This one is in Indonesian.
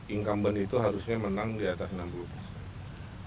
incumbent itu harusnya menang di atas enam puluh persen